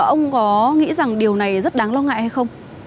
ông có nghĩ rằng điều này rất đáng lo ngại hay không